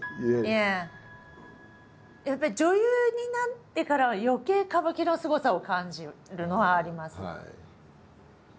やっぱり女優になってからはよけい歌舞伎のすごさを感じるのはあります。